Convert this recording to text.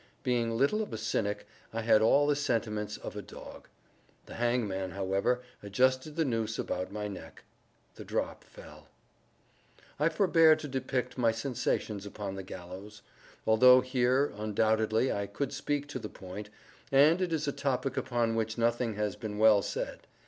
Being little of a cynic, I had all the sentiments of a dog. The hangman, however, adjusted the noose about my neck. The drop fell. I forbear to depict my sensations upon the gallows; although here, undoubtedly, I could speak to the point, and it is a topic upon which nothing has been well said.